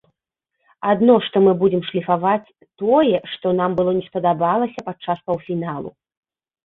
Адно што мы будзем шліфаваць тое, што нам было не спадабалася падчас паўфіналу.